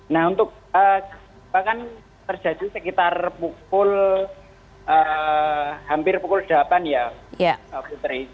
nah untuk terjadi sekitar pukul hampir pukul delapan ya putri